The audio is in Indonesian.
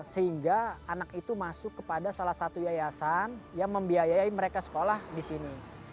sehingga anak itu masuk kepada salah satu yayasan yang membiayai mereka sekolah di sini